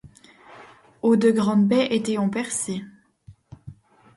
Au de grandes baies été ont percées.